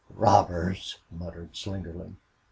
"Robbers!" muttered Slingerland.